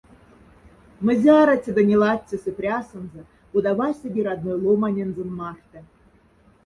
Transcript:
Мзяроцеда ни латцесы прясонза, кода васеди родной ломанензон мархта.